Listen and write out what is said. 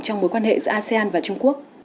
trong mối quan hệ giữa asean và trung quốc